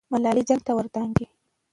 ملالۍ جنګ ته ور دانګي.